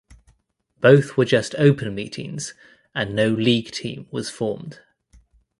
Both were just open meetings and no league team was formed.